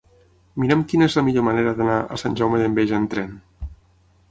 Mira'm quina és la millor manera d'anar a Sant Jaume d'Enveja amb tren.